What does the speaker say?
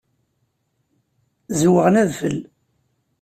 Zzewɣen adfel.